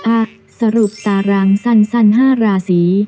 อ่ะสรุปตารางสั้น๕ราศี